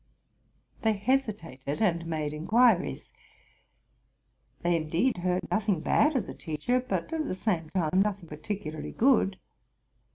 They hesitated, and made inquiries: they indeed heard noth ing bad of the teacher, but, at the same time, nothing par ticularly good.